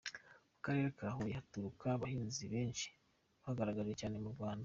Mu Karere ka Huye haturuka abahanzi benshi bigaragaje cyane mu Rwanda.